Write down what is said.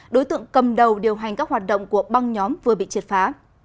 đối tượng cầm đầu điều hành các hoạt động của băng nhóm vừa bị triệt phá